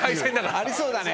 ありそうだね。